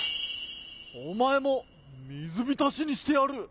おまえもみずびたしにしてやる。